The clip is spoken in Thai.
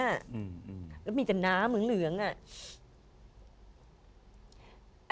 แล้วมีแต่น้ำเหลืองน่ะ